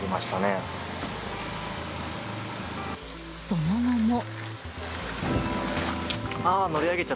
その後も。